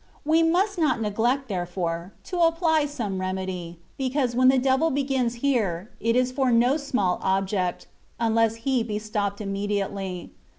We must not neglect, therefore, to apply some remedy, because when the devil begins here, it is for no small object — unless he be stopped immediately.